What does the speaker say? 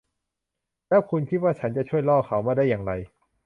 แล้วคุณคิดว่าฉันจะช่วยล่อเขามาได้อย่างไร ?